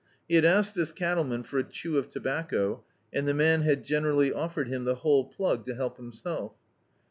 He had asked this cattleman for a chew of tobacco and the man had generously offered him the whole plug to help himself.